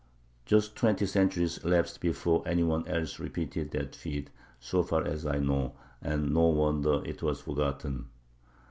Just twenty centuries elapsed before any one else repeated that feat, so far as I know;, and no wonder it was forgotten.